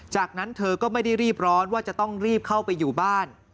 จากนั้นเธอก็ไม่ได้รีบร้อนว่าจะต้องรีบเข้าไปอยู่บ้าน